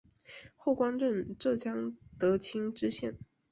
后官任浙江德清知县。